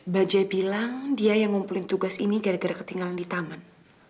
bajai bilang dia yang ngumpulin tugas ini gara gara ketinggalan di taman